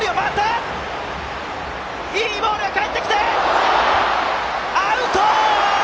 いいボールが返ってきてアウト！